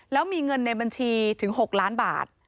แล้วมีเงินในบัญชีถึง๖ล้านบาท